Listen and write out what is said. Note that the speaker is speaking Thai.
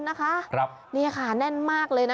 แน่นมากเลย